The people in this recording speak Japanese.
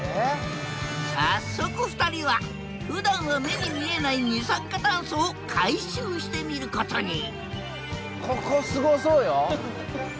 早速２人はふだんは目に見えない二酸化炭素を回収してみることに！